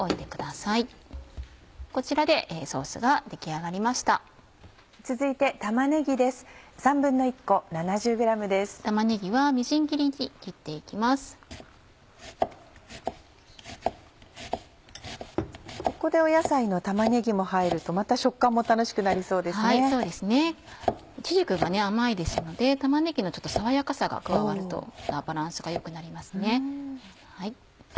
いちじくが甘いですので玉ねぎの爽やかさが加わるとバランスが良くなりますね。